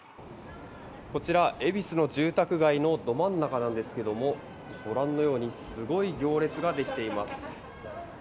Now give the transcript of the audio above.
恵比寿の住宅街のど真ん中なんですがご覧のようにすごい行列ができています。